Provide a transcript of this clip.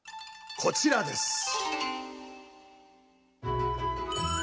こちらです。